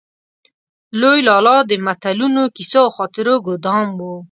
لوی لالا د متلونو، کيسو او خاطرو ګودام و.